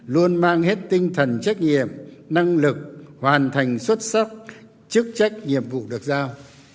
luôn mang hết tinh thần trách nhiệm năng lực hoàn thành xuất sắc chức trách nhiệm vụ được giao